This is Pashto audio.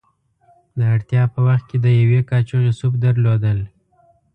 د اړتیا په وخت کې د یوې کاشوغې سوپ درلودل.